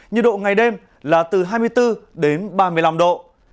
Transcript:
nhiệt độ ngày đêm là từ hai mươi bốn đến ba mươi năm độ